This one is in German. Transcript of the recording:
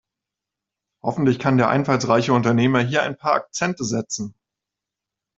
Hoffentlich kann der einfallsreiche Unternehmer hier ein paar Akzente setzen.